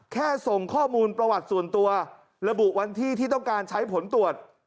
ส่งข้อมูลประวัติส่วนตัวระบุวันที่ที่ต้องการใช้ผลตรวจ